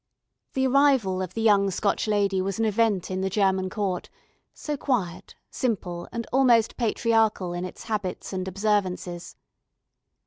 The arrival of the young Scotch lady was an event in the German court, so quiet, simple, and almost patriarchal in its habits and observances.